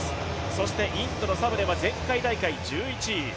そしてインドのサブレは前回大会１１位。